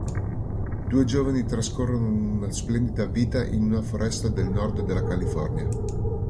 Due giovani trascorrono una splendida vita in una foresta del Nord della California.